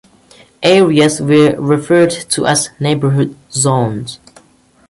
Areas were referred to as "Neighbourhood Zones".